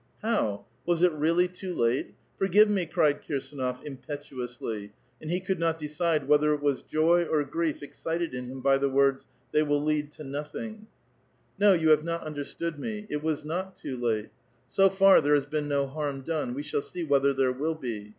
,*^ *How? was it really too late? Forgive me," cried Kir . ^^of, impetuously ; and he could not decide whether it was ^^^^ or grief excited in him by the words, " they will lead to 248 A VITAL QUESTION. " No ; you have not unilerstood me. It was not too late. So far there has been no harm done ; we shall see whether there will be.